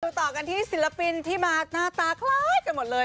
ต่อกันที่ศิลปินที่มาหน้าตาคล้ายกันหมดเลย